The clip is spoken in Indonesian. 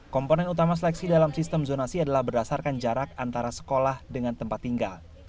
komponen utama seleksi dalam sistem zonasi adalah berdasarkan jarak antara sekolah dengan tempat tinggal